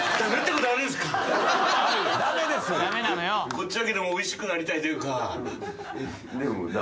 こっちだけでもおいしくなりたいというか。